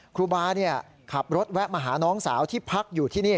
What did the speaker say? ครูบาขับรถแวะมาหาน้องสาวที่พักอยู่ที่นี่